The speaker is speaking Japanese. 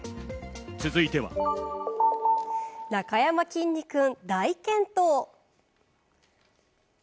続いては。なかやまきんに君、大健闘！